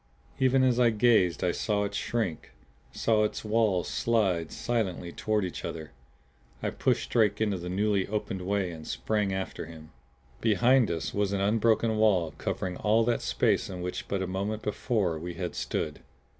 Even as I gazed I saw it shrink; saw its walls slide silently toward each other. I pushed Drake into the newly opened way and sprang after him. Behind us was an unbroken wall covering all that space in which but a moment before we had stood!